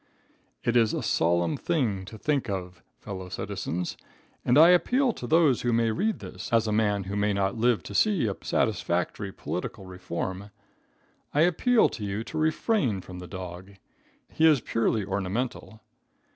It is a solemn thing to think of, fellow citizens, and I appeal to those who may read this, as a man who may not live to see a satisfactory political reform I appeal to you to refrain from the dog. He is purely ornamental.